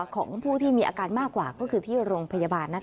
ของผู้ที่มีอาการมากกว่าก็คือที่โรงพยาบาล